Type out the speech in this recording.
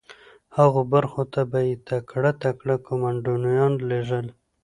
هغو برخو ته به یې تکړه تکړه کمانډویان لېږل